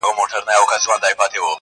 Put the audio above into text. نوري یې مه پریږدی د چا لښکري.!